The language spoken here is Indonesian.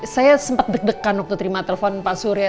saya sempat deg degan waktu terima telepon pak surya